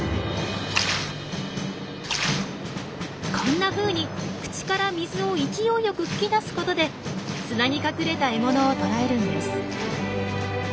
こんなふうに口から水を勢いよく吹き出すことで砂に隠れた獲物を捕らえるんです。